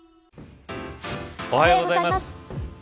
おはようございます。